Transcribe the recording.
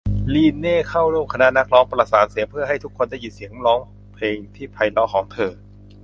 ลีนเน่เข้าร่วมคณะนักร้องประสานเสียงเพื่อให้ทุกคนได้ยินเสียงร้องเพลงที่ไพเราะของเธอ